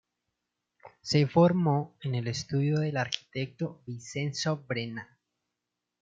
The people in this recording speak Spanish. Se formó en el estudio del arquitecto Vincenzo Brenna.